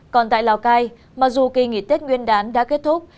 còn tại lào cai mặc dù kỳ nghỉ tết nguyên đán đã kết thúc